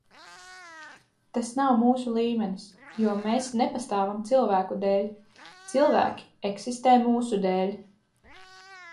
Tas nav mūsu līmenis, jo mēs nepastāvam cilvēku dēļ. Cilvēki eksistē mūsu dēļ.